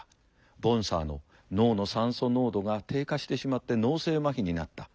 ボンサーの脳の酸素濃度が低下してしまって脳性まひになった。